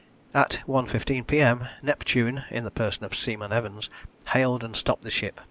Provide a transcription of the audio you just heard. At 1.15 P.M. Neptune in the person of Seaman Evans hailed and stopped the ship.